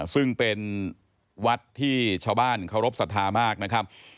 ซึ่งเป็นวัดที่ชาวบ้านเคารพสัทธามากนะครับ